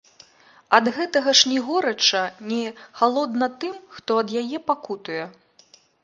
Ад гэтага ж ні горача, ні халодна тым, хто ад яе пакутуе.